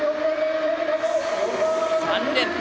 ３連覇。